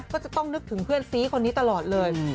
ก็จะต้องนึกถึงเพื่อนซีคนนี้ตลอดเลย